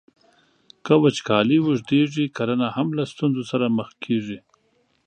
که وچکالۍ اوږدیږي، کرنه هم له ستونزو سره مخ کیږي.